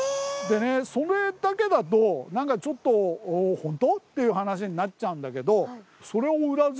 でねそれだけだと何かちょっとホント！？って話になっちゃうんだけど。